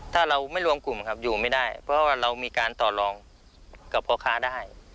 ถ้าเราไม่รวมกลุ่มครับอยู่ไม่ได้เพราะว่าเรามีการต่อรองกับพ่อค้าได้